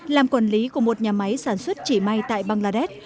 làm quản lý của một nhà máy sản xuất chỉ may tại bangladesh